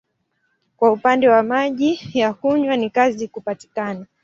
Kwa upande wa maji ya kunywa ni kazi kupatikana.